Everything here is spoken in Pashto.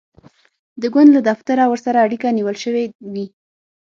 د ګوند له دفتره ورسره اړیکه نیول شوې وي.